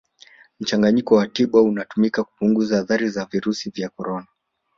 Mchanganyiko wa tiba unatumika kupunguza athari za virusi vya Corona